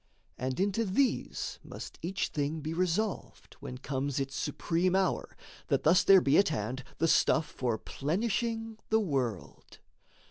And into these must each thing be resolved, When comes its supreme hour, that thus there be At hand the stuff for plenishing the world.